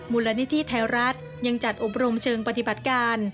มูลนิธิไทยรัฐยังจัดอบรมเชิงปฏิบัติการ